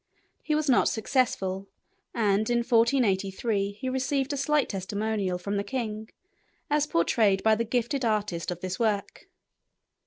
He was not successful, and, in 1483, he received a slight testimonial from the king, as portrayed by the gifted artist of this work.